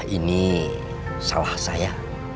ini salah saya